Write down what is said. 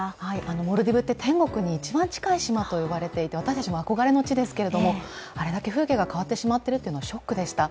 モルディブって天国に一番近い島と言われていて、私たちも憧れの地ですけれどもあれだけ風景が変わってしまっているというのはショックでした。